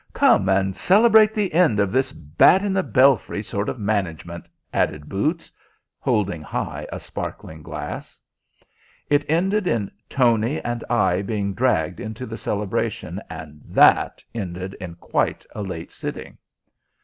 "Come and celebrate the end of this bat in the belfry sort of management," added boots, holding high a sparkling glass. It ended in Tony and I being dragged into the celebration, and that ended in quite a late sitting.